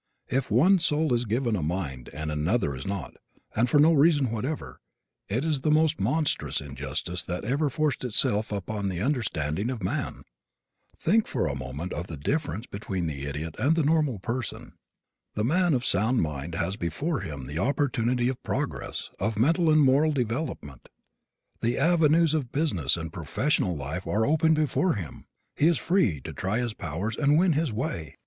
If one soul is given a mind and another is not, and for no reason whatever, it is the most monstrous injustice that ever forced itself upon the understanding of man! Think for a moment of the difference between the idiot and the normal person. The man of sound mind has before him the opportunity of progress, of mental and moral development. The avenues of business and professional life are open before him. He is free to try his powers and win his way.